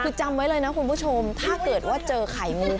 คือจำไว้เลยนะคุณผู้ชมถ้าเกิดว่าเจอไข่งู